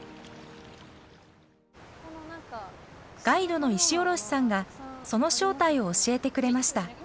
ガイドの石下さんがその正体を教えてくれました。